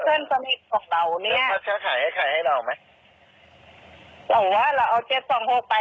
เพื่อนสนิทของเราเนี้ยเขาจะขายให้ใครให้เราไหมเราว่าเราเอาเจ็ดสองหกไป